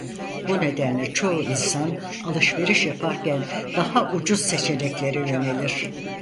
Bu nedenle çoğu insan alışveriş yaparken daha ucuz seçeneklere yönelir.